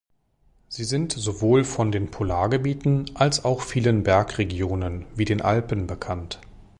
Sie sind sowohl von den Polargebieten als auch vielen Bergregionen wie den Alpen bekannt.